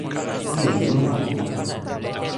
ijo li lon oko mi.